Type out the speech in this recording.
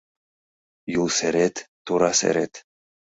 Юл серет — тура серет